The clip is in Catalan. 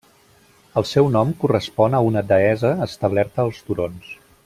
El seu nom correspon a una deessa establerta als turons.